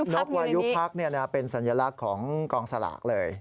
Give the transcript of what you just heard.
นกวายุพักอยู่ในนี้นกวายุพักเป็นสัญลักษณ์ของกองสลักเลย